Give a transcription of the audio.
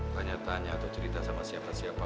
tanya tanya atau cerita sama siapa siapa